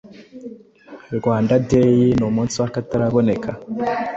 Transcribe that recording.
Rwanda Day ni umunsi wakataraboneka